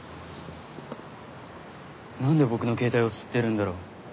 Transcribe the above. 何で僕の携帯を知ってるんだろう。